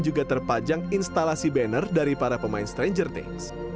juga terpajang instalasi banner dari para pemain stranger things